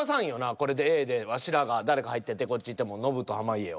これでＡでワシらが誰か入っててこっち行ってもノブと濱家を。